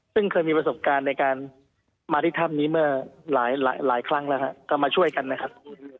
ซึ่งเคยมีประสบการณ์ในการมาที่ถ้ำนี้เมื่อหลายครั้งแล้วก็มาช่วยกันนะครับ